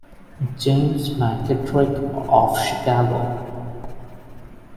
James McKittrick, of Chicago.